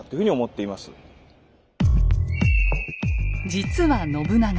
実は信長。